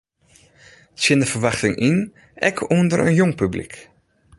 Tsjin de ferwachting yn ek ûnder in jong publyk.